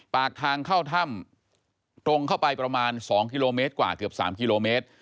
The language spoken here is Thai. ปากทางเข้าถ้ำตรงเข้าไปประมาณ๒กิโลเมตรกว่าเกือบ๓กิโลเมตร